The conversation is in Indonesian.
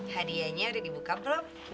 hadiahnya udah dibuka belum